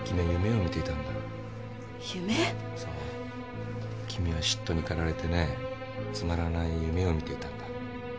〔そう君は嫉妬に駆られてつまらない夢を見ていたんだ〕